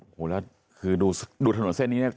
โหวแล้วคือดูดูถนนเส้นนี้เนี่ย